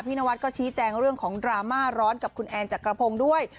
นวัดก็ชี้แจงเรื่องของดราม่าร้อนกับคุณแอนจักรพงศ์ด้วย